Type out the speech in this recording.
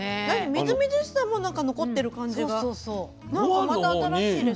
みずみずしさも残ってる感じがなんかまた新しいです。